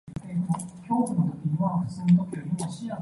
唔該㩒十五樓呀